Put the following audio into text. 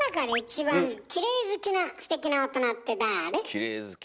きれい好き